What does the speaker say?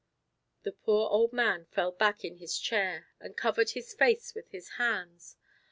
The poor old man fell back in his chair and covered his face with his hands.